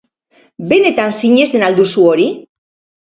Benetan sinesten al duzu hori?